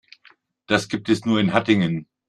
Das gibt es nur in Hattingen